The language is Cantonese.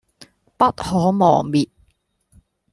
不可磨滅